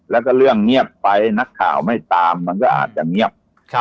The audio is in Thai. แล้วก็เรื่องเงียบไปนักข่าวไม่ตามมันก็อาจจะเงียบ